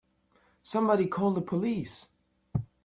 Somebody call the police!